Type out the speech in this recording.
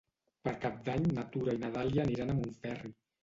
Per Cap d'Any na Tura i na Dàlia aniran a Montferri.